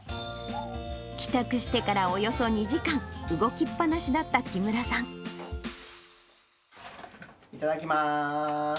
帰宅してからおよそ２時間、いただきます。